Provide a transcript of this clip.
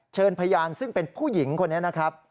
เชิญพยานซึ่งเป็นผู้หญิงคนนี้นะครับ